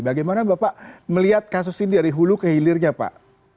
bagaimana bapak melihat kasus ini dari hulu kehilirnya pak